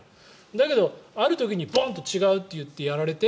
だけど、ある時にボンと違うと言ってやられて。